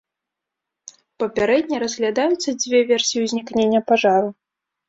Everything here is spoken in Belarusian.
Папярэдне разглядаюцца дзве версіі ўзнікнення пажару.